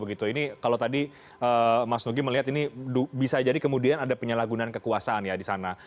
ini kalau tadi mas nugi melihat ini bisa jadi kemudian ada penyalahgunaan kekuasaan ya di sana